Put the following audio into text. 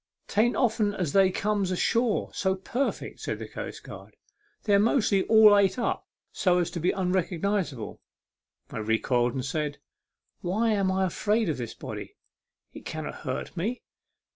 " 'Tain't often as they comes ashore so per fect," said the coastguard. " They're mostly all ate up so as to be unrecognizable." I recoiled, and said, " Why am I afraid of this body ? It cannot hurt me.